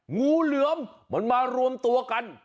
งูเหลือมมันมารวมตัวกัน